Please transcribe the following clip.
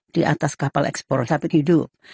di atas kapal ekspor sampai hidup